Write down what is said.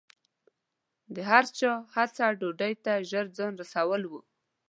د هر چا هڅه ډوډۍ ته ژر ځان رسول و.